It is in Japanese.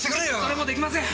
それもできません！